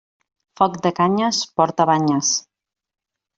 Foc de canyes porta banyes.